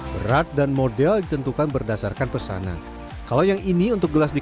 berat dan model ditentukan berdasarkan pesanan kalau yang ini untuk gelas di